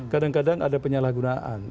kadang kadang ada penyalahgunaan